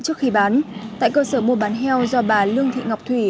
trước khi bán tại cơ sở mua bán heo do bà lương thị ngọc thủy